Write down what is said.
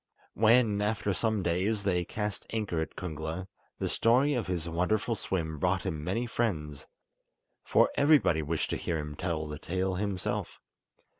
When, after some days, they cast anchor at Kungla, the story of his wonderful swim brought him many friends, for everybody wished to hear him tell the tale himself.